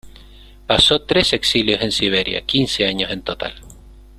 Pasó tres exilios en Siberia, quince años en total.